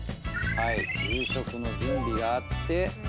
夕食の準備があって。